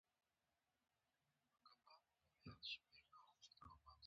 دغه ابعاد روښانه نه شي.